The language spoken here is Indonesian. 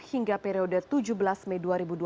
hingga periode tujuh belas mei dua ribu dua puluh